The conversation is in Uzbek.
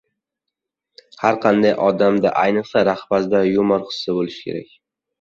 Har qanday odamda, ayniqsa rahbarda yumor hissi boʻlishi kerak.